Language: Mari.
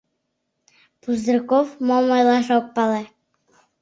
Пузырьков мом ойлаш ок пале.